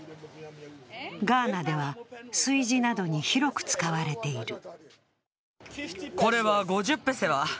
ガーナでは炊事などに広く使われている。